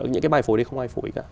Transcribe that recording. những cái bài phối đấy không ai phối cả